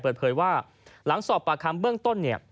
เปิดเผยว่าหลังสอบปากคำเบื้องต้นเนี่ย